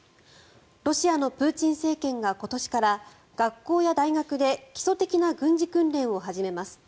ロシアのプーチン政権が今年から学校や大学で基礎的な軍事訓練を始めます。